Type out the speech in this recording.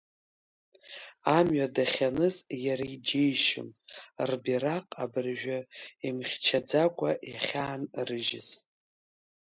Амҩа дахьаныз иара иџьеишьон рбираҟ абыржәы имхьчаӡакәа иахьаанрыжьыз.